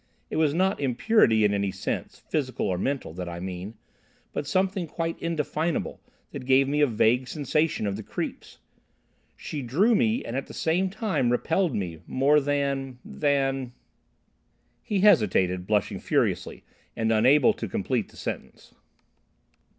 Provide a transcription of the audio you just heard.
It is not impurity in any sense, physical or mental, that I mean, but something quite indefinable that gave me a vague sensation of the creeps. She drew me, and at the same time repelled me, more than—than—" He hesitated, blushing furiously, and unable to finish the sentence.